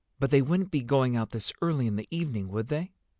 "But they wouldn't be going out this early in the evening, would they?